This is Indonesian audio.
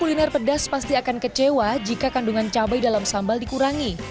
kuliner pedas pasti akan kecewa jika kandungan cabai dalam sambal dikurangi